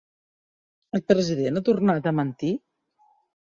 El president ha tornat a mentir?